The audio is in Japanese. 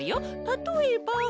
たとえば。